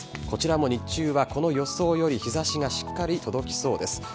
こちらも日中はこの予想より日差しがしっかり届きそうです。